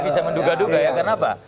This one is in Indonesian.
bisa juga ya kenapa